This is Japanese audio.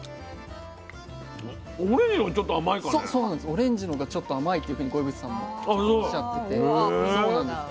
オレンジの方がちょっと甘いっていうふうに五位渕さんもおっしゃってて。